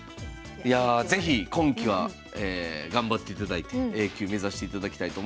いや是非今期は頑張っていただいてＡ級目指していただきたいと思います。